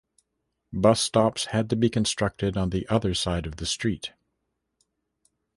Bus stops had to be constructed on the other side of the street.